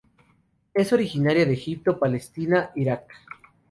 Es originaria de Egipto, Palestina, Iraq.